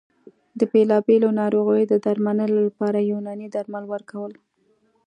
د بېلابېلو ناروغیو د درملنې لپاره یوناني درمل ورکول